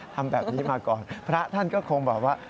ทำแบบนี้มาก่อนพระท่านก็คงแบบว่า